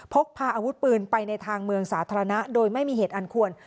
พกพาอาวุธปืนไปในทางเมืองสาธารณะโดยไม่มีเหตุอันควร